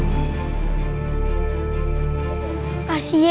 kalau gini terus aku bisa bangkut